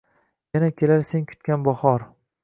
Yana kelar sen kutgan bahor!